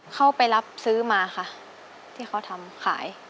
เข้าไปรับซื้อมาค่ะที่เขาทำขาย